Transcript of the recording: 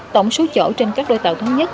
tổng số chỗ trên các đôi tàu thống nhất